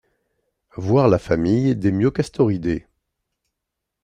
Voir la famille des Myocastoridae.